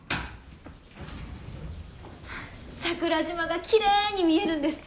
桜島がきれいに見えるんです。